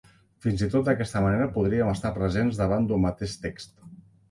Fins i tot d'aquesta manera podríem estar presents davant d'un mateix text.